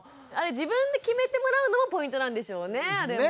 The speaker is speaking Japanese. あれ自分で決めてもらうのもポイントなんでしょうね。